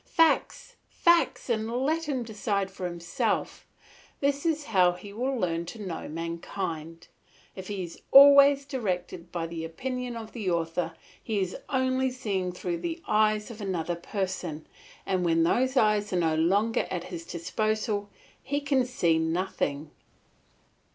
Facts! Facts! and let him decide for himself; this is how he will learn to know mankind. If he is always directed by the opinion of the author, he is only seeing through the eyes of another person, and when those ayes are no longer at his disposal he can see nothing.